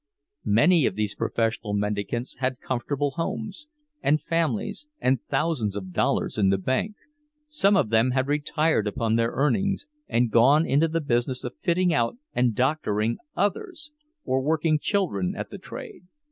Many of these professional mendicants had comfortable homes, and families, and thousands of dollars in the bank; some of them had retired upon their earnings, and gone into the business of fitting out and doctoring others, or working children at the trade.